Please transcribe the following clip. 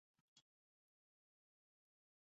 তোমার পড়াশুনায় বিরক্ত না করার যথাসাধ্য চেষ্টা করবো।